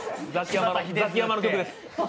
ザキヤマの曲です。